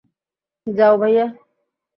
যাও, ভাইয়া।